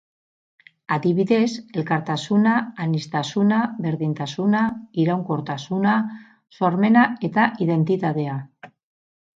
Adibidez, elkartasuna, aniztasuna, berdintasuna, iraunkortasuna, sormena eta identitatea.